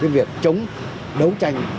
việc chống đấu tranh